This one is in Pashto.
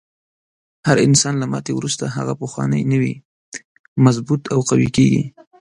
هر انسان له ماتې وروسته هغه پخوانی نه وي، مضبوط او قوي کیږي.